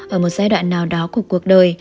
ở một giai đoạn nào đó của cuộc đời